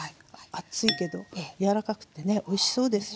熱いけど柔らかくてねおいしそうですよね今。